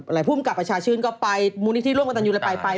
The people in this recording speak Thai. หลายผู้บังกับประชาชื่นก็ไปมูลนิตรที่ร่วงบันตันยุนไปหมดเลย